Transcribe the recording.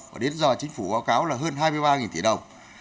và đến giờ chính phủ báo cáo là hơn hai mươi ba tỷ đồng